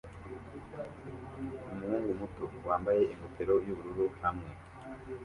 Umuhungu muto wambaye ingofero yubururu hamwe